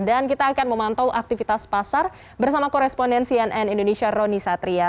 dan kita akan memantau aktivitas pasar bersama korespondensian n indonesia rony satria